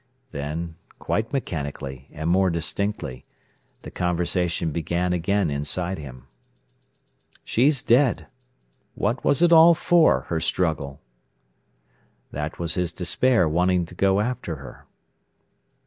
Then, quite mechanically and more distinctly, the conversation began again inside him. "She's dead. What was it all for—her struggle?" That was his despair wanting to go after her.